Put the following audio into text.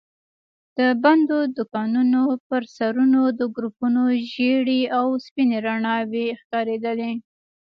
د بندو دوکانونو پر سرونو د ګروپونو ژېړې او سپينې رڼا وي ښکارېدلې.